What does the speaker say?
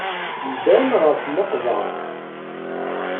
Ddan ɣer tmeqbert.